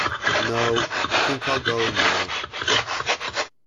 No, I think I'll go in now.